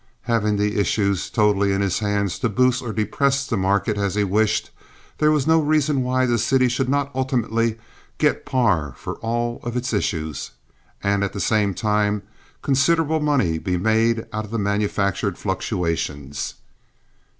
Having the issues totally in his hands to boost or depress the market as he wished, there was no reason why the city should not ultimately get par for all its issues, and at the same time considerable money be made out of the manufactured fluctuations.